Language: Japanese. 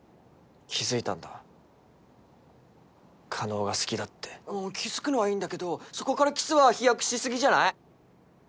気づいたんだ叶が好きだって気づくのはいいんだけどそこからキスは飛躍しすぎじゃない？